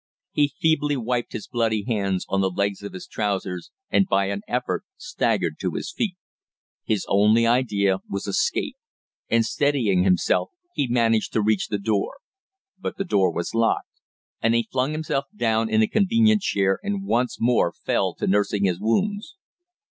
He feebly wiped his bloody hands on the legs of his trousers and by an effort staggered to his feet. His only idea was escape; and steadying himself he managed to reach the door; but the door was locked, and he flung himself down in a convenient chair and once more fell to nursing his wounds.